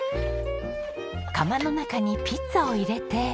窯の中にピッツァを入れて。